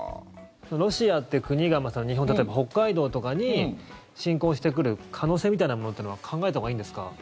ロシアという国が日本、例えば北海道とかに侵攻してくる可能性みたいなものは考えたほうがいいんですか？